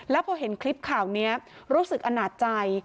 แล้วพอเห็นคลิปข่าวนี้รู้สึกอนาจใจ